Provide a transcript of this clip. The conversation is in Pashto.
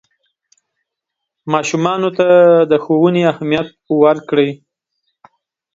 ماشومانو ته د ښوونې اهمیت ورکړئ.